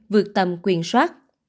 vượt tầm quyền soát